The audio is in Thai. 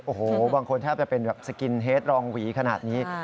โอ้โหบางคนแทบจะเป็นแบบสกินเฮดรองหวีขนาดนี้